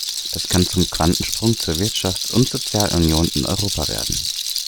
Das kann zum Quantensprung zur Wirtschafts- und Sozialunion in Europa werden.